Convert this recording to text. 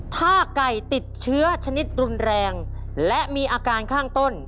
ถ้าไก่ติดเชื้อชนิดรุนแรงและมีอาการข้างต้น